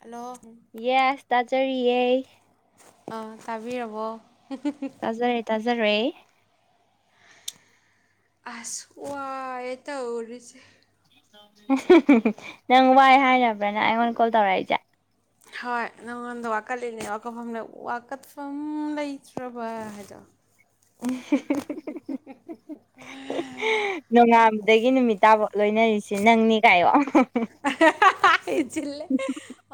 Hello yes ꯇꯥꯖꯔꯤꯌꯦ ꯑ ꯇꯥꯕꯤꯔꯕꯣ ꯇꯥꯖꯔꯦ ꯇꯥꯖꯔꯦ ꯑꯁ ꯋꯥꯌꯦ ꯇꯧꯔꯤꯖꯦ ꯅꯪ ꯋꯥꯏ ꯍꯥꯏꯅꯕ꯭ꯔꯅ ꯑꯩꯉꯣꯟꯗ ꯀꯣꯜ ꯇꯧꯔꯛꯏꯁꯦ ꯍꯣꯏ ꯅꯉꯣꯟꯗ ꯋꯥꯀꯠꯂꯤꯅꯦ ꯋꯥꯀꯠꯐꯝ ꯋꯥꯀꯠꯐꯝ ꯂꯩꯇ꯭ꯔꯕ ꯍꯥꯏꯗꯣ [unintelligible] [unintelligible] ꯑꯦ ꯅꯣꯡꯉꯥꯟꯕꯗꯒꯤ ꯅꯨꯃꯤꯠ ꯇꯥꯕ ꯂꯣꯢꯅꯔꯤꯁꯦ ꯅꯪꯅꯤ ꯀꯥꯢꯌꯣ ꯑꯍ ꯍꯥ ꯍꯥ ꯍꯥ ꯏꯆꯤꯜꯂꯦ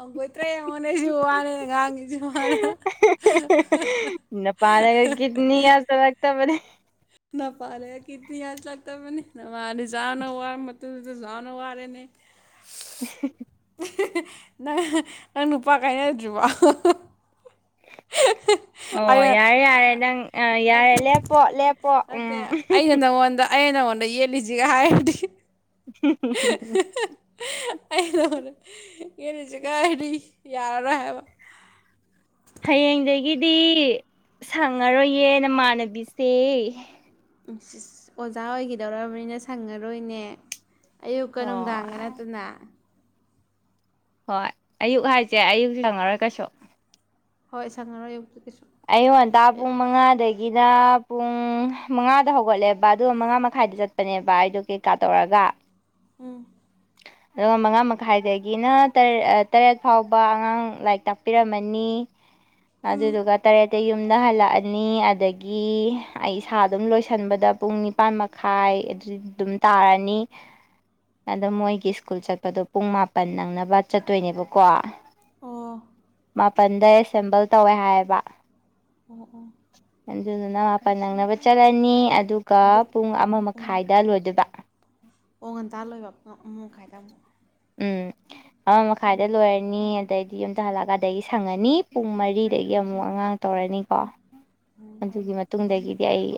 ꯑꯒꯣꯢ ꯇ꯭ꯔꯦ ꯌꯦꯡꯉꯣꯅꯦ ꯏꯁꯤꯕꯨ ꯋꯥꯅꯦꯅ ꯉꯥꯡꯉꯤꯖꯤꯕꯨ ꯍꯔꯍ ꯑꯦꯍ ꯑꯦꯍ ꯑꯦꯍ ꯅꯨꯄꯥꯅꯒ ꯀꯤꯠꯅꯤ ꯌꯥꯁꯜꯂꯛꯇꯕꯅꯦ ꯅ ꯄꯥꯔꯦ ꯀꯤꯇꯤꯌꯥ ꯆꯠꯇꯕꯅꯤ ꯅꯃꯥꯅꯦ ꯅꯆꯥꯅ ꯋꯥꯔꯃꯇ ꯐꯖꯥꯅ ꯋꯥꯔꯦꯅꯦ [unintelligible] ꯅꯪ ꯅꯪ ꯅꯨꯄꯥ ꯀꯥꯢꯅꯗ꯭ꯔꯤꯕꯣ ꯑꯣ ꯌꯥꯔꯦ ꯌꯥꯔꯦ ꯅꯪ ꯑ ꯌꯥꯔꯦ ꯅꯠꯇꯦ ꯂꯦꯞꯄꯣ ꯂꯦꯞ ꯅꯠꯇꯦ ꯑꯩꯅ ꯅꯪꯉꯣꯟꯗ ꯑꯩꯅ ꯅꯪꯉꯣꯟꯗ ꯌꯦꯠꯂꯤꯖꯤꯒ ꯍꯥꯢꯔꯗꯤ [unintelligible] ꯑꯩ ꯂꯧꯔꯦ ꯌꯦꯠꯂꯖꯦ ꯀꯔꯥꯏꯗꯩ ꯌꯥꯔꯔꯣꯢ ꯍꯥꯢꯕ ꯍꯌꯦꯡꯗꯒꯤꯗꯤ ꯁꯪꯉꯔꯣꯢꯌꯦ ꯅꯃꯥꯟꯅꯕꯤꯁꯦ ꯑꯁ ꯑꯣꯖꯥ ꯑꯣꯢꯒꯤꯗꯧꯔꯕꯅꯤꯅ ꯁꯪꯉꯔꯣꯢꯅꯦ ꯑꯌꯨꯛꯀ ꯅꯨꯡꯗꯥꯡꯒ ꯍꯣꯏ ꯅꯠꯇꯅ ꯍꯣꯢ ꯑꯌꯨꯛ ꯍꯥꯢꯖꯦ ꯑꯌꯨꯛꯁꯨ ꯁꯪꯉꯔꯣꯢ ꯀꯩꯁꯨ ꯍꯣꯢ ꯁꯪꯉꯉꯔꯣꯢ ꯑꯌꯛꯇ ꯀꯩꯁꯨ ꯑꯌꯨ ꯉꯟꯇꯥ ꯑꯦ ꯄꯨꯡ ꯃꯉꯥꯗꯩ ꯒꯤꯅ ꯄꯨꯡ ꯃꯉꯥꯗ ꯍꯧꯒꯠꯂꯦꯕ ꯑꯗꯨꯒ ꯃꯉꯥ ꯃꯈꯥꯢꯗ ꯆꯠꯄꯅꯦꯕ ꯑꯩꯗꯣ ꯀꯩ ꯀꯥ ꯇꯧꯔꯒ ꯎꯝ ꯑꯗꯨꯒ ꯃꯉꯥ ꯃꯈꯥꯢꯗꯒꯤꯅ ꯇꯔꯦꯠ ꯑ ꯇꯔꯦꯠ ꯐꯥꯎꯕ ꯑꯉꯥꯡ ꯂꯥꯢꯔꯤꯛ ꯇꯥꯛꯄꯤꯔꯝꯃꯅꯤ [inaudible] ꯑꯗꯨꯗꯨꯒꯠ ꯇꯔꯦꯠꯇ ꯌꯨꯝꯗ ꯍꯜꯂꯛꯑꯅꯤ ꯑꯗꯒꯤ ꯑꯩ ꯏꯁꯥ ꯑꯗꯨꯝ ꯂꯣꯢꯁꯤꯟꯕꯗ ꯄꯨꯡ ꯅꯤꯞ ꯅꯤꯄꯥꯥꯟ ꯃꯈꯥꯢ ꯑꯗꯨ ꯑꯗꯨꯝ ꯇꯥꯔꯅꯤ [inaudible] ꯑꯗꯣ ꯃꯣꯢꯒꯤ ꯁ꯭ꯀꯨꯜ ꯆꯠꯄꯗꯣ ꯄꯨꯡ ꯃꯥꯄꯟ ꯅꯪꯅꯕ ꯆꯠꯇꯣꯏꯅꯦꯕꯀꯣ ꯑꯣ ꯃꯥꯄꯜꯗ ꯑꯦꯁꯦꯝꯕꯜ ꯇꯧꯋꯦ ꯍꯥꯢꯌꯦꯕ ꯑꯣ ꯑꯣ ꯑꯗꯨꯗꯨꯅ ꯃꯥꯄꯜ ꯅꯪꯅꯕ ꯆꯠꯂꯅꯤ ꯑꯗꯨꯒ ꯑꯗꯨ ꯄꯨꯡ ꯑꯃ ꯎꯝ ꯃꯈꯥꯢꯗ ꯂꯣꯢꯗꯨꯢꯕ ꯑꯣ ꯉꯟꯇꯥ ꯂꯣꯢꯕ ꯑꯃ ꯃꯈꯥꯢ ꯑꯗꯥꯢꯃꯨꯛ ꯎꯝ ꯑꯃ ꯃꯈꯥꯢꯗ ꯂꯣꯢꯔꯅꯤ ꯑꯗꯩ ꯌꯨꯝꯗ ꯍꯜꯂꯛꯑꯒ ꯑꯗꯒꯤ ꯁꯪꯉꯅꯤ ꯄꯨꯡ ꯃꯔꯤꯗꯒꯤ ꯑꯃꯨꯛ ꯑꯉꯥꯡ ꯇꯧꯔꯅꯤꯀꯣ ꯑꯗꯨꯒꯤ ꯃꯇꯨꯡꯗꯒꯤꯗꯤ ꯑꯩ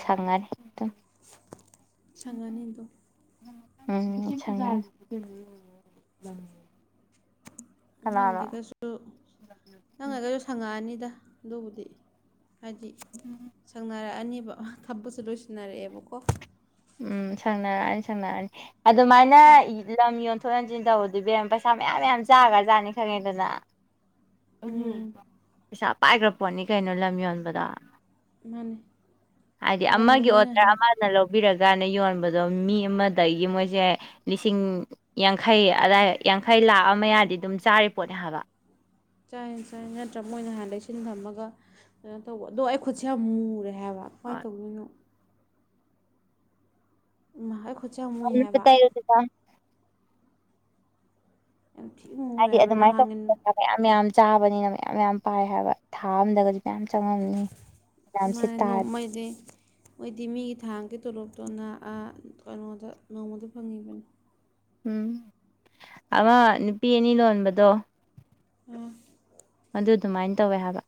ꯁꯪꯉꯅꯤ ꯑꯗꯨꯝ ꯁꯪꯉꯅꯤ ꯑꯗꯨꯝ ꯎꯝ ꯎꯝ ꯁꯪꯉꯅꯤ ꯀꯅꯥꯅꯣ ꯅꯪꯗꯒꯁꯨ ꯅꯪꯉꯒꯁꯨ ꯐꯪꯉꯛꯑꯅꯤꯗ ꯑꯗꯨꯕꯨꯗꯤ ꯍꯥꯢꯗꯤ ꯎꯝ ꯁꯪꯅꯔꯛꯑꯅꯤꯕ ꯑ ꯊꯕꯁꯨ ꯂꯣꯢꯁꯤꯟꯅꯔꯛꯑꯦꯕꯀꯣ ꯎꯝ ꯁꯪꯅꯔꯛꯑꯅꯤ ꯁꯪꯅꯔꯛꯑꯅꯤ ꯑꯗꯨꯃꯥꯢꯅ ꯂꯝ ꯌꯣꯟ [unintelligible] ꯇꯧꯕꯗꯣ ꯏꯕꯦꯡ ꯄꯩꯁꯥ ꯃꯌꯥꯝ ꯃꯌꯥꯝ ꯆꯥꯒ꯭ꯔꯥꯖꯥꯅꯤ ꯈꯪꯉꯦꯗꯅ ꯎꯝ ꯄꯩꯁꯥ ꯄꯥꯏꯒ꯭ꯔꯥꯄꯣꯠꯅꯤ ꯀꯩꯅꯣ ꯂꯝ ꯌꯣꯟꯕꯗꯣ ꯃꯥꯅꯦ ꯍꯥꯏꯗꯤ ꯂꯝꯗꯣ ꯑꯃꯒꯤ ꯃꯣꯏꯅ ꯑꯣꯠꯇ꯭ꯔꯥ ꯍꯥꯟ ꯑꯃ ꯂꯧꯕꯤꯔꯒ ꯌꯣꯟꯕꯗꯣ ꯃꯤ ꯑꯃꯗꯒꯤ ꯃꯣꯏꯖꯦ ꯂꯤꯁꯤꯡ ꯌꯥꯡꯈꯩ ꯑꯗꯥꯏ ꯌꯥꯡꯈꯩ ꯂꯥꯛꯑꯝ ꯃꯌꯥꯗꯤ ꯑꯗꯨꯝ ꯆꯥꯔꯤ ꯄꯣꯠꯅꯦ ꯍꯥꯏꯕ ꯆꯥꯏ ꯆꯥꯏ ꯅꯠꯇ꯭ꯔ ꯃꯣꯏꯅ ꯍꯟ ꯂꯩꯩꯁꯤꯟ ꯊꯝꯃꯒ ꯀꯩꯅꯣ ꯇꯧꯕ ꯑꯗꯣ ꯑꯩ ꯈꯨꯠꯁꯦ ꯌꯥꯝ ꯃꯨꯔꯦ ꯍꯥꯏꯕ ꯀꯃꯥꯏ ꯇꯧꯗꯣꯏꯅꯣ ꯏꯃꯥ ꯑꯩ ꯈꯨꯠꯆꯦ ꯌꯝ [inaudible] ꯌꯥꯝ ꯊꯤ ꯃꯨꯔꯦ ꯍꯥꯏꯗꯤ ꯍꯥꯏꯕ ꯑꯗꯨꯃꯥꯏꯅ ꯅꯍꯥꯟꯒꯤ [unintelligible] ꯃꯌꯥꯝ ꯌꯥꯝ ꯆꯥꯕꯅꯤꯅ ꯃꯌꯥꯝ ꯌꯥꯝ ꯄꯥꯏ ꯍꯥꯏꯕ ꯊꯥ ꯑꯝꯗꯒ ꯌꯥꯝ ꯆꯪꯉꯝꯅꯤ ꯃꯥꯅꯦ ꯌꯥꯝꯁꯤꯠꯇ [unintelligible] ꯃꯣꯏꯗꯤ ꯃꯤꯒꯤ ꯊꯥꯡꯒꯤ ꯇꯣꯂꯣꯞꯇꯣꯅ ꯑꯥ ꯀꯩꯅꯣꯗ ꯅꯣꯡꯃꯗ ꯐꯪꯉꯤꯕꯅꯤ ꯎꯝ ꯑꯃ ꯅꯨꯄꯤ ꯑꯅꯤ ꯂꯣꯟꯕꯗꯣ ꯑꯣꯥ ꯗꯨ ꯗꯨꯃꯥꯏ ꯇꯧꯋꯦ ꯍꯥꯏꯕ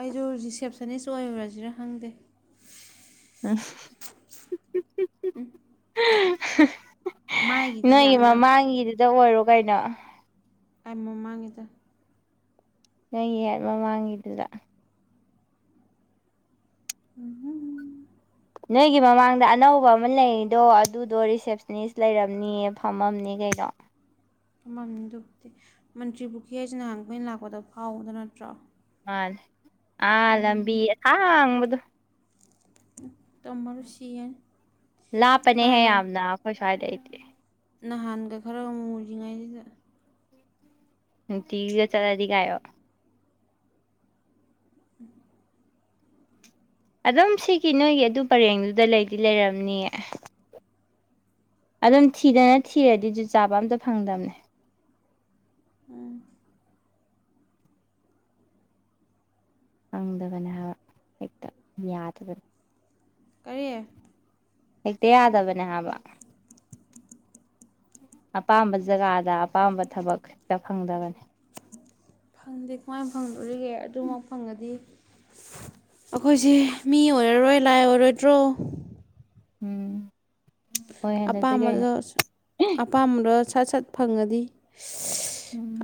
ꯑꯩꯖꯨ ꯔꯤꯁꯦꯞꯁꯟꯅꯤꯁ ꯑꯣꯏꯔꯨꯔꯖꯤꯔ ꯈꯪꯗꯦ [unintelligible] ꯃꯥꯏꯒꯤꯗꯤ ꯅꯣꯏꯒꯤ ꯌꯥꯝꯅ ꯃꯃꯥꯡꯒꯤꯗꯨꯗ ꯑꯣꯏꯔꯣ ꯀꯩꯅꯣ ꯃꯃꯥꯡꯉꯤꯗ ꯅꯣꯏꯒꯤꯍꯠ ꯃꯃꯥꯡꯒꯤꯗꯨꯗ ꯎꯝꯝꯝ ꯅꯣꯏꯒꯤ ꯃꯃꯥꯡꯗ ꯑꯅꯧꯕ ꯑꯃ ꯂꯩꯔꯤꯗꯣ ꯑꯗꯨꯗꯣ ꯔꯤꯁꯦꯞꯁꯅꯤꯁ ꯂꯩꯔꯝꯅꯤꯌꯦ ꯐꯝꯃꯝꯅꯤ ꯀꯩꯅꯣ ꯐꯝꯃꯝꯅꯤ ꯑꯗꯨꯕꯨꯗꯤ ꯃꯟꯇ꯭ꯔꯤ ꯄꯨꯈꯤ ꯍꯥꯏꯖꯦ ꯅꯍꯟ ꯑꯈꯣꯏ ꯂꯥꯛꯄꯗ ꯐꯥꯎꯕꯗ ꯅꯠꯇ꯭ꯔꯣ ꯑꯥ ꯎꯝ ꯂꯝꯕꯤ ꯑꯁꯥꯡꯕꯗꯣ ꯇꯝꯃꯔꯣꯏ ꯁꯤꯔꯅꯤ ꯈꯔꯒ ꯍꯣꯏ ꯁ꯭ꯋꯥꯏꯗ ꯑꯩꯇꯦ ꯅꯍꯥꯟꯒ ꯈꯔ ꯃꯨꯔꯤꯉꯩꯖꯤꯗ ꯅꯨꯡꯇꯤꯒꯤꯒ ꯆꯠꯂꯗꯤꯒꯌꯣ ꯑꯗꯨꯝ ꯁꯤꯒꯤ ꯅꯣꯏꯒꯤ ꯑꯗꯨ ꯄꯔꯦꯡꯗꯨꯗ ꯂꯩꯗꯤ ꯂꯩꯔꯝꯅꯤꯌꯦ ꯑꯗꯨꯝ ꯊꯤꯗꯅ ꯊꯤꯔꯗꯤ ꯖꯨꯠ ꯆꯥꯕ ꯑꯝꯇ ꯐꯪꯗꯝꯅꯦ ꯎꯝ ꯍꯪꯗꯕꯅꯦ ꯍꯥꯏꯕ ꯍꯦꯛꯇ ꯌꯥꯗꯕꯅꯤ ꯀꯔꯤ ꯍꯦꯛꯇ ꯌꯥꯗꯕꯅꯦ ꯍꯥꯏꯕ ꯑꯄꯥꯝꯕ ꯖꯒꯥꯗ ꯑꯄꯥꯝꯕ ꯊꯕꯛ ꯈꯛꯇ ꯐꯪꯗꯕꯅꯤ ꯐꯪꯗꯦ ꯀꯃꯥꯏ ꯐꯪꯗꯣꯔꯤꯒꯦ ꯑꯗꯨꯃꯛ ꯐꯪꯉꯗꯤ ꯑꯩꯈꯣꯏꯁꯦ ꯃꯤ ꯑꯣꯏꯔꯔꯣꯏ ꯂꯥꯏ ꯑꯣꯏꯔꯣꯏꯗ꯭ꯔꯣ ꯎꯝ ꯑꯣꯏꯍꯜꯂꯁꯤ ꯀꯩꯅꯣ ꯑꯄꯥꯝꯕꯗꯣ ꯑꯄꯥꯝꯕꯗꯣ ꯁꯠ ꯁꯠ ꯐꯪꯉꯗꯤ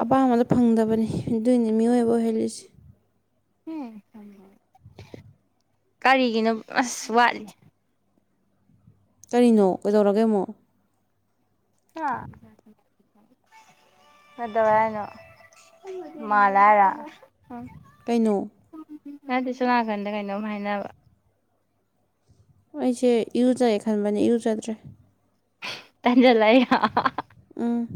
ꯑꯄꯥꯝꯕꯗꯣ ꯐꯪꯗꯕꯅꯤ ꯑꯗꯨꯏꯅꯤ ꯃꯤꯑꯣꯏꯕ ꯑꯣꯏꯍꯜꯂꯤꯁꯦ ꯍꯝ ꯀꯔꯤꯒꯤꯅꯣ ꯑꯁ ꯋꯥꯠꯂꯤ ꯀꯔꯤꯅꯣ ꯀꯩꯗꯧꯔꯒꯦ ꯑꯃꯨꯛ ꯍꯥ ꯀꯩꯗꯧꯔꯦ ꯍꯥꯏꯅꯣ ꯃꯥꯜꯂꯦ ꯍꯥꯏꯔ ꯀꯩꯅꯣ ꯅꯠꯇꯦ ꯁꯣ ꯅꯥꯀꯟꯗ ꯀꯩꯅꯣꯝ ꯍꯥꯏꯅꯕ꯫ ꯑꯩꯁꯦ ꯏꯔꯨꯖꯒꯦ ꯈꯟꯕꯅꯦ ꯏꯔꯨꯖꯗ꯭ꯔꯦ ꯇꯟꯖꯜꯂꯛꯏꯔꯣ ꯎꯝ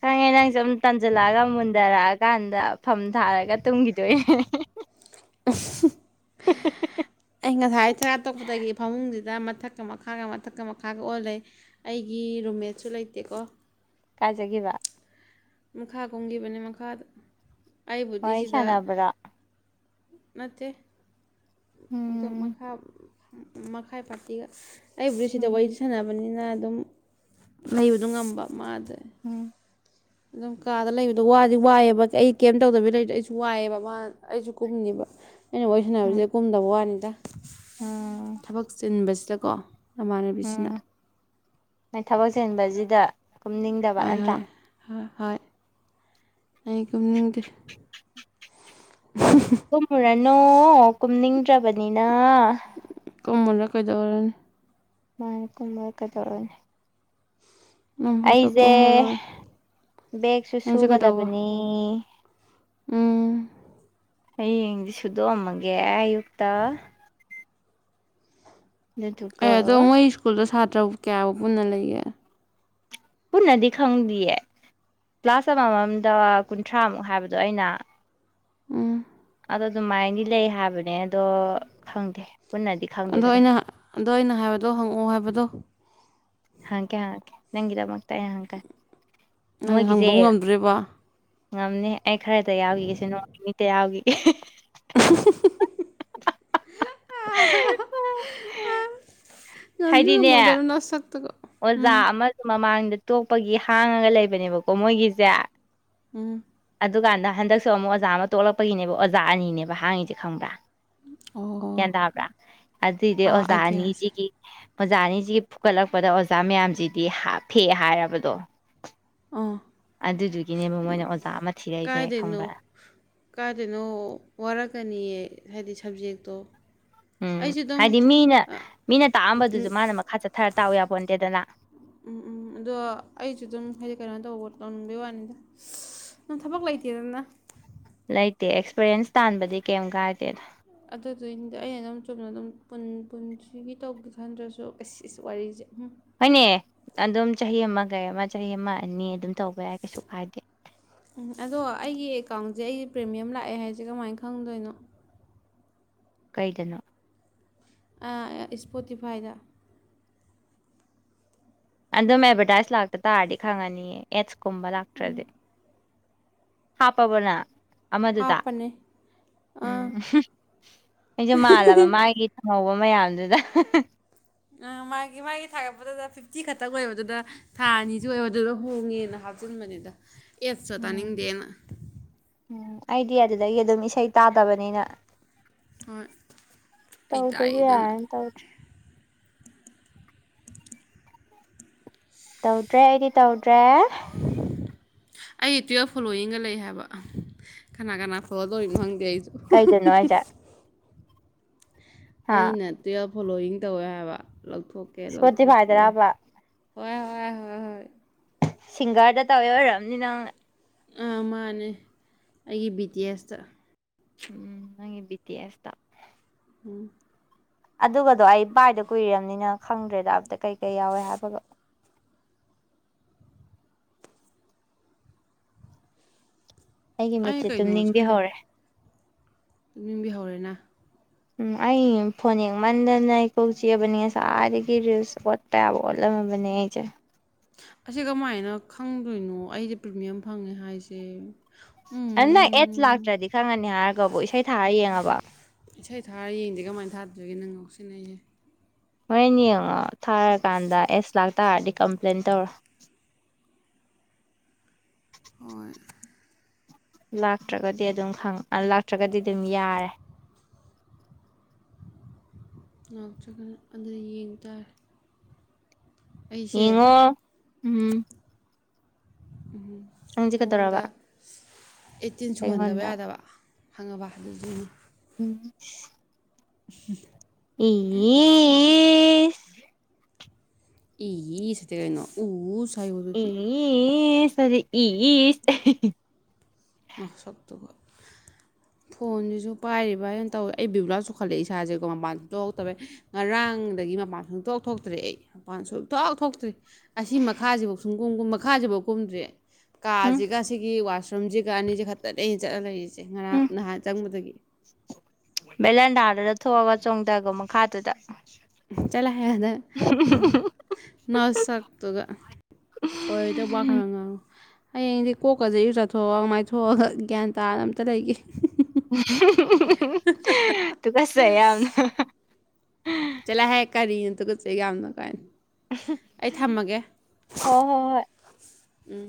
ꯈꯪꯉꯦ ꯅꯪ ꯖꯨꯝ ꯇꯟꯖꯜꯂꯛꯑꯒ ꯃꯨꯟꯗꯔꯛꯑ ꯀꯥꯟꯗ ꯐꯝ ꯊꯥꯔꯒ ꯇꯨꯝꯒꯤꯗꯣꯏꯅꯦ ꯑꯩ ꯉꯁꯥꯏ ꯆꯥꯛ ꯆꯥ ꯇꯣꯛꯄꯗꯒꯤ ꯐꯃꯨꯡꯖꯤꯗ ꯃꯊꯛ ꯃꯊꯛꯀ ꯃꯈꯥꯒ ꯃꯊꯛꯀ ꯃꯈꯥꯒ ꯑꯣꯜ ꯂꯩ ꯑꯩꯒꯤ ꯔꯨꯝꯃꯦꯠꯁꯨ ꯂꯩꯇꯦꯀꯣ ꯀꯥꯏ ꯆꯠꯒꯤꯕ ꯃꯈꯥ ꯀꯨꯝꯒꯤꯕꯅꯦ ꯃꯈꯥꯗ ꯑꯩꯕꯨꯗꯤ ꯋꯥꯔꯤ ꯖꯤꯗ ꯁꯥꯟꯅꯕ꯭ꯔꯣ ꯅꯠꯇꯦ ꯑꯗꯨꯝ ꯎꯝ ꯃꯈꯥ ꯃꯈꯥꯏ ꯄꯥꯔꯇꯤꯒ ꯑꯩꯕꯨꯗꯤ ꯁꯤꯗ ꯎꯝ ꯋꯥꯔꯤ ꯁꯥꯟꯅꯕꯅꯤꯅ ꯑꯗꯨꯝ ꯂꯩꯕꯗꯣ ꯉꯝꯕ ꯃꯥꯗ ꯎꯝ ꯑꯗꯨꯝ ꯀꯥꯗ ꯂꯩꯕꯗꯣ ꯋꯥꯗꯤ ꯋꯥꯏꯌꯦꯕ ꯑꯩ ꯀꯦꯝ ꯇꯧꯗꯕꯤ ꯂꯩꯕꯖꯦ ꯑꯩꯖꯨ ꯋꯥꯏꯌꯦꯕ ꯃꯥ ꯑꯩꯖꯨ ꯀꯨꯝꯅꯤꯕ ꯑꯩꯅ ꯋꯥꯔꯤ ꯎꯝ ꯁꯥꯟꯅꯕꯁꯤꯗ ꯀꯨꯝꯗꯕ ꯋꯥꯅꯤꯗ ꯎꯝ ꯊꯕꯛ ꯆꯤꯟꯕꯁꯤꯗꯀꯣ ꯅꯃꯥꯟꯅꯕꯤꯁꯤꯅ ꯎꯝ ꯅꯣꯏ ꯊꯕꯛ ꯆꯤꯟꯕꯖꯤꯗ ꯀꯨꯝꯅꯤꯡꯗꯕ ꯅꯠꯇ꯭ꯔꯥ ꯍꯣ ꯍꯣꯏ ꯑꯩ ꯀꯨꯝꯅꯤꯡꯗꯦ ꯀꯨꯝꯃꯨꯔꯅꯣ ꯀꯨꯝꯅꯤꯡꯗ꯭ꯔꯕꯅꯤꯅ ꯀꯨꯝꯃꯨꯔ ꯀꯩꯗꯧꯔꯨꯅꯤ ꯃꯥꯅꯤ ꯀꯨꯝꯃꯨꯔ ꯀꯩꯗꯧꯔꯨꯅꯤ ꯅꯣꯡ ꯐꯥꯗꯣꯛ ꯑꯩꯖꯦ ꯀꯨꯝꯃ ꯂꯣꯏꯔꯦ ꯕꯦꯛꯁꯨ ꯅꯪꯁꯦ ꯀꯩꯗꯧꯕ ꯁꯨꯒꯗꯕꯅꯤ ꯎꯝ ꯍꯌꯦꯡꯗꯤ ꯁꯨꯗꯣꯛꯑꯝꯃꯒꯦ ꯑꯌꯨꯛꯇ ꯑꯗꯨꯗꯨꯒ ꯑꯦ ꯑꯗꯣ ꯃꯣꯏ ꯁ꯭ꯀꯨꯜꯗ ꯁꯥꯇ꯭ꯔ ꯀꯌꯥꯕꯨ ꯄꯨꯟꯅ ꯂꯩꯒꯦ ꯄꯨꯟꯅꯗꯤ ꯈꯪꯗꯤꯌꯦ ꯀ꯭ꯂꯥꯁ ꯑꯃꯃꯝꯗ ꯀꯨꯟꯊ꯭ꯔꯥꯃꯨꯛ ꯍꯥꯏꯕꯗꯣ ꯑꯩꯅꯥ ꯎꯝ ꯑꯗꯣ ꯑꯗꯨꯃꯥꯏꯅꯗꯤ ꯂꯩ ꯍꯥꯏꯕꯅꯦ ꯑꯗꯣ ꯈꯪꯗꯦ ꯄꯨꯟꯅꯗꯤ ꯑꯗꯣ ꯈꯪꯗꯦꯗ ꯑꯩꯅ ꯀꯩꯁꯨ ꯑꯗꯣ ꯑꯩꯅ ꯍꯥꯏꯕꯗꯣ ꯍꯪꯉꯛꯑꯣ ꯍꯥꯏꯕꯗꯣ ꯍꯪꯉꯛꯀꯦ ꯍꯪꯉꯛꯀꯦ ꯅꯪꯒꯤꯗꯃꯛꯇ ꯑꯩ ꯍꯪꯉꯛꯀꯟ ꯅꯪ ꯃꯣꯏꯒꯤꯖꯦ ꯍꯪꯕ ꯉꯝꯗ꯭ꯔꯤꯕ ꯉꯝꯅꯤ ꯑꯩ ꯈꯔꯗ ꯌꯥꯎꯈꯤꯒꯦꯁꯦ ꯅꯣꯡ ꯅꯤꯅꯤꯇ ꯌꯥꯎꯒꯤꯒꯦ [inaudible] [inaudible] ꯉꯝꯖꯨ ꯍꯥꯏꯗꯤꯅꯦ ꯉꯝꯃꯣꯏꯗꯕ ꯅꯁꯛꯇꯨꯒ ꯑꯣꯖꯥ ꯎꯝ ꯑꯃꯖꯨ ꯃꯃꯥꯡꯗ ꯇꯣꯛꯄꯒꯤ ꯍꯥꯡꯉꯒ ꯂꯩꯕꯅꯦꯕꯀꯣ ꯃꯣꯏꯒꯤꯖꯦ ꯎꯝ ꯑꯗꯨꯀꯥꯟꯗ ꯍꯟꯗꯛꯁꯨ ꯑꯃꯨꯛ ꯑꯣꯖꯥ ꯑꯃ ꯇꯣꯛꯂꯛꯄꯒꯤꯅꯦꯕ ꯑꯣꯖꯥ ꯑꯅꯤꯅꯦꯕ ꯍꯥꯡꯉꯤꯖꯦ ꯈꯪꯕ꯭ꯔꯥ ꯑꯣ ꯒ꯭ꯌꯥꯟ ꯇꯥꯕ꯭ꯔꯥ ꯑꯗꯨꯏꯗꯤ ꯑꯥ ꯑꯣꯖꯥ ꯑꯥꯏꯗꯤꯌꯥꯁꯦ ꯑꯅꯤꯖꯤꯒꯤ ꯑꯣꯖꯥ ꯑꯅꯤꯖꯤꯒꯤ ꯐꯨꯛꯀꯠꯂꯛꯄꯗ ꯑꯣꯖꯥ ꯃꯌꯥꯝꯖꯤꯗꯤ ꯍꯥ ꯐꯦ ꯍꯥꯏꯔꯕꯗꯣ ꯑꯥ ꯑꯗꯨꯗꯨꯒꯤꯅꯦꯕ ꯃꯣꯏꯅ ꯑꯣꯖꯥ ꯑꯃ ꯊꯤꯔꯛꯏꯖꯦ ꯈꯪꯕ꯭ꯔꯥ? ꯀꯥꯏꯗꯅꯣ ꯋꯥꯔꯛꯀꯅꯤꯌꯦ ꯍꯥꯏꯗꯤ ꯁꯕꯖꯦꯛꯇꯣ꯫ ꯎꯝ ꯑꯩꯁꯨ ꯑꯗꯨꯝ ꯍꯥꯏꯗꯤ ꯃꯤꯅ ꯃꯤꯅ ꯇꯥꯛꯑꯝꯕꯗꯨꯖꯨ ꯃꯥꯅ ꯃꯈꯥ ꯆꯠꯊꯔ ꯇꯥꯛꯎ ꯌꯥꯄꯣꯟꯇꯦꯗꯅ꯫ ꯎꯝ ꯎꯝ ꯑꯗꯣ ꯑꯩꯖꯨ ꯗꯨꯝ ꯍꯥꯏꯗꯤ ꯀꯩꯅꯣ ꯇꯧꯕ ꯇꯧꯅꯤꯡꯕꯩ ꯋꯥꯅꯤꯗꯥ ꯫ ꯅꯪ ꯊꯕꯛ ꯂꯩꯇꯦꯗꯅ꯫ ꯂꯩꯇꯦ ꯑꯦꯛꯁꯄꯔꯤꯌꯦꯟꯁ ꯇꯥꯟꯕꯗꯤ ꯀꯦꯝ ꯀꯥꯏꯗꯦꯗ꯫ ꯑꯗꯨꯗꯨꯒꯤꯅꯤꯗ ꯑꯩꯅ ꯑꯗꯨꯝ ꯆꯨꯝꯅ ꯑꯗꯨꯝ ꯄꯨꯟ ꯄꯨꯟꯁꯤꯒꯤ ꯇꯧꯒꯦ ꯈꯟꯗ꯭ꯔꯁꯨ ꯑꯁ ꯑꯁ ꯋꯥꯔꯤꯁꯦ ꯎꯝ꯫ ꯍꯣꯏꯅꯦ ꯑꯗꯨꯝ ꯆꯍꯤ ꯑꯃ ꯀꯩꯑꯃ ꯆꯍꯤ ꯑꯃ ꯑꯅꯤ ꯑꯗꯨꯝ ꯇꯧꯕ ꯌꯥꯏ ꯀꯩꯁꯨ ꯀꯥꯏꯗꯦ ꯎꯝ ꯑꯗꯣ ꯑꯩꯒꯤ ꯑꯦꯀꯥꯎꯟꯁꯦ ꯑꯩ ꯄ꯭ꯔꯤꯃꯤꯌꯝ ꯂꯥꯛꯑꯦ ꯍꯥꯏꯁꯦ ꯀꯃꯥꯏꯅ ꯈꯪꯗꯣꯏꯅꯣ꯫ ꯀꯩꯗꯅꯣ꯫ ꯑ ꯁꯄꯣꯇꯤꯐꯥꯏꯗ꯫ ꯑꯗꯨꯝ ꯑꯦꯗꯚꯔꯇꯥꯏꯁ ꯂꯥꯛꯇꯇꯥꯔꯗꯤ ꯈꯪꯉꯅꯤꯌꯦ ꯑꯦꯗꯁ ꯀꯨꯝꯕ ꯂꯥꯛꯇ꯭ꯔꯗꯤ꯫ ꯍꯥꯥꯞꯄꯕꯣ ꯅꯪ꯫ ꯑꯃꯗꯨꯗ ꯍꯥꯞꯄꯅꯦ ꯑꯥ ꯎꯝ ꯍꯨꯝ ꯑꯩꯁꯨ ꯃꯥꯜꯂꯕ ꯃꯥꯒꯤ__ [unintelligible] ꯃꯌꯥꯝꯗꯨꯗ꯫ ꯑꯥ ꯃꯥꯒꯤ ꯃꯥꯒꯤ ꯊꯥꯒꯠꯄꯗꯨꯗ ꯐꯤꯐꯇꯤ ꯈꯛꯇꯪ ꯑꯣꯏꯕꯗꯨꯗ꯫ ꯊꯥ ꯑꯅꯤꯁꯨ ꯑꯣꯏ ꯑꯗꯨꯗ ꯍꯣꯡꯉꯦꯅ ꯍꯥꯞꯆꯤꯟꯕꯅꯤꯗ ꯑꯦꯗꯁꯇꯣ ꯎꯝ ꯇꯥꯅꯤꯡꯗꯦꯅ꯫ ꯎꯝ ꯑꯩꯗꯤ ꯑꯗꯨꯗꯒꯤ ꯑꯗꯨꯝ ꯏꯁꯩ ꯇꯥꯗꯕꯅꯤꯅ꯫ ꯍꯣꯏ ꯑꯩ ꯇꯥꯏ ꯇꯧꯗ꯭ꯔꯥꯁꯨ ꯑꯗꯨꯅ ꯌꯥꯔꯅꯤ ꯇꯧꯗ꯭ꯔꯦ꯫ ꯇꯧꯗ꯭ꯔꯦ ꯑꯩꯗꯤ ꯇꯧꯗ꯭ꯔꯦ꯫ [inaudible] ꯑꯩ ꯇꯨꯌꯦꯜꯞ ꯐꯣꯂꯣꯋꯤꯡꯒ ꯂꯩ ꯍꯥꯏꯕ ꯀꯅꯥ ꯀꯅꯥ ꯐꯣꯂꯣ ꯇꯧꯔꯤꯅꯣ ꯈꯪꯗꯦ ꯑꯩꯁꯨ꯫ ꯀꯩꯗꯅꯣ ꯍꯥꯏꯖꯦ꯫ ꯑꯩꯅ ꯇꯨꯋꯦꯜꯞ ꯐꯣꯂꯣꯋꯤꯡ ꯇꯧꯋꯦ ꯍꯥꯏꯕ ꯂꯧꯊꯣꯛꯀ__ ꯁꯄꯣꯇꯤꯐꯥꯏ ꯗꯔꯕꯥ ꯍꯣꯏ ꯍꯣꯏ ꯍꯣꯏ ꯍꯣꯏ꯫ ꯁꯤꯡꯒꯔꯗ ꯇꯧꯋꯦ ꯑꯣꯏꯔꯝꯅꯤ ꯅꯪꯅ꯫ ꯑ ꯃꯥꯅꯦ ꯑꯩꯒꯤ ꯕꯤ ꯇꯤ ꯑꯦꯁ ꯇ꯫ ꯎꯝ ꯅꯪꯒꯤ ꯕꯤ ꯇꯤ ꯑꯦꯁ ꯇ꯫ ꯎꯝ ꯑꯗꯨꯒꯗꯣ ꯑꯩ ꯕꯥꯏꯗ ꯀꯨꯏꯔꯝꯅꯤꯅ ꯈꯪꯗ꯭ꯔꯦꯗ ꯑꯝꯇ ꯀꯩ ꯀꯩ ꯌꯥꯎꯋꯦ ꯍꯥꯏꯕꯒ꯫ ꯑꯩꯒꯤ ꯑꯩ ꯃꯤꯠꯁꯦ ꯇꯨꯝꯅꯤꯡꯕꯤ ꯍꯧꯔꯦ꯫ ꯇꯨꯝꯅꯤꯡꯕꯤ ꯍꯧꯔꯦ ꯅ꯫ ꯎꯝ ꯑꯩ ꯐꯣꯟ ꯌꯦꯡꯃꯟꯗꯅ ꯑꯩ ꯀꯣꯛ ꯆꯤꯛꯑꯕꯅꯤ ꯉꯁꯥꯏꯗꯒꯤ ꯔꯤꯜꯁ ꯑꯣꯠ___ ꯄ ꯌꯥꯕ ꯑꯣꯠꯂꯝꯃꯥꯕꯅꯦ ꯑꯩꯖꯦ꯫ ꯑꯁꯤ ꯀꯃꯥꯏꯅ ꯈꯪꯗꯣꯏꯅꯣ ꯑꯩꯁꯦ ꯄ꯭ꯔꯤꯃꯤꯌꯝ ꯐꯪꯉꯦ ꯍꯥꯏꯁꯦ꯫ ꯅꯪ ꯑꯦꯗꯁ ꯎꯝ ꯂꯥꯛꯇ꯭ꯔꯥꯗꯤ ꯈꯪꯉꯅꯤ ꯍꯥꯏꯔꯒꯕꯨ ꯏꯁꯩ ꯊꯥꯔ ꯌꯦꯡꯉꯕꯣ꯫ ꯏꯁꯩ ꯊꯥꯔꯒ ꯌꯦꯡꯗꯦ ꯀꯃꯥꯏꯅ ꯊꯥꯗꯣꯏꯔꯤꯒꯦ ꯅꯪ ꯉꯥꯎꯁꯤꯟꯅꯩ ꯍꯦ꯫ ꯍꯣꯔꯦꯟ ꯌꯦꯡꯉꯣ ꯊꯥꯔꯀꯥꯟꯗ ꯑꯦꯗꯁ ꯂꯥꯛꯇꯥꯔꯗꯤ ꯀꯝꯄ꯭ꯂꯦꯟ ꯇꯧꯔꯣ꯫ ꯍꯣꯏ ꯂꯥꯛꯇ꯭ꯔꯥꯒꯗꯤ ꯑꯗꯨꯝ ꯈꯪꯕ ꯂꯥꯛꯇ꯭ꯔꯒꯗꯤ ꯑꯗꯨꯝ ꯌꯥꯔꯦ ꯂꯥꯛꯇ꯭ꯔꯥꯒꯅ ꯑꯗꯨ ꯌꯦꯡ ꯇꯥꯔꯦ꯫ ꯑꯩꯁꯦ____ ꯌꯦꯡꯉꯣ ꯎꯝ ꯎꯝꯍꯝ ꯅꯪꯁꯦ ꯀꯗꯧꯔꯕ꯫ ꯑꯩꯠꯇꯤꯟ ꯁꯨꯍꯟꯗꯕ ꯌꯥꯗꯕ ꯈꯪꯉꯕ ꯑꯗꯨꯗꯨꯒꯤ꯫ ꯎꯝ ꯎꯝ [inaudible] ꯏ [inaudible] [unintelligible] ꯏꯁꯇꯤ ꯀꯩꯅꯣ ꯎꯁ ꯍꯥꯏꯋꯣ ꯑꯗꯨꯗꯤ꯫ ꯏꯌꯤꯁ ꯇꯗꯤ ꯏꯁꯁ ꯅ ꯁꯛꯇꯨꯒ ꯐꯣꯟꯖꯤꯖꯨ ꯄꯥꯏꯔꯤꯕ ꯍꯥꯏꯗꯨꯅꯤ ꯇꯧ ꯑꯩ ꯕꯤꯕꯨꯂꯥ ꯆꯨꯈꯠꯂꯛꯑꯦ ꯏꯁꯥꯖꯦꯀꯣ ꯃꯄꯥꯟ ꯁꯨꯡꯊꯣꯛ ꯊꯣꯛꯇꯕꯩ ꯉꯔꯥꯡꯗꯒꯤ ꯃꯄꯥꯟ ꯁꯨꯡꯊꯣꯛ ꯊꯣꯛꯇ꯭ꯔꯦ ꯑꯩ ꯃꯄꯥꯟ ꯁꯨꯡ ꯊꯣꯛ ꯊꯣꯛꯇ꯭ꯔꯤ ꯑꯁꯤ ꯃꯈꯥꯁꯤꯐꯥꯎ ꯁꯨꯛꯀꯨꯝꯀꯨꯝ ꯃꯈꯥꯖꯤꯕꯥꯎ ꯀꯨꯝꯗ꯭ꯔꯦ ꯎꯝ ꯀꯥꯁꯤꯒ ꯁꯤꯒꯤ ꯋꯥꯁꯔꯨꯝꯖꯤ ꯒ ꯑꯅꯤꯖꯤ ꯈꯛꯇꯅꯦ ꯑꯩꯅ ꯆꯠꯂꯒ ꯂꯩꯔꯤꯖꯦ ꯉꯔꯥꯡ ꯅꯍꯥꯟ ꯆꯪꯕꯗꯒꯤ ꯕꯦꯂꯦꯟꯗꯥꯗꯨꯗ ꯊꯣꯛꯑꯒ ꯆꯣꯡꯗꯒꯣ ꯃꯈꯥꯗꯨꯗ ꯆꯠꯂꯣ ꯍꯣ ꯑꯥꯗ ꯅꯁꯛꯇꯨꯒ ꯑꯣꯏꯗꯧꯕ ꯋꯥ ꯈꯔ ꯉꯥꯡꯉꯨ ꯍꯌꯦꯡꯗꯤ ꯀꯣꯛꯀꯖꯤ ꯏꯔꯨ ꯖꯠꯊꯣꯛꯑꯒ ꯃꯥꯏꯊꯣꯛꯑꯒ ꯒ꯭ꯌꯥꯟ ꯇꯥꯅ ꯑꯝꯇ ꯂꯩꯒꯦ ꯍꯤ ꯍꯤ ꯍꯤ ꯇꯨꯀꯠꯆꯩ ꯌꯥꯝꯅ ꯆꯠꯂꯣ ꯍꯦ ꯀꯔꯤꯅꯣ ꯇꯨꯀꯠꯆꯩ ꯌꯥꯝꯅ ꯀꯥꯏꯅ ꯑꯩ ꯊꯝꯃꯒꯦ ꯍꯣ ꯍꯣ ꯍꯣꯏ [inaudible] ꯎꯝ